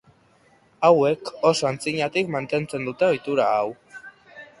Hauek, oso antzinatik mantentzen dute ohitura hau.